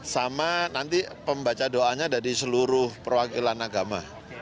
sama nanti pembaca doanya dari seluruh perwakilan agama